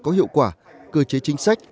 có hiệu quả cơ chế chính sách